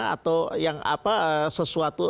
atau yang apa sesuatu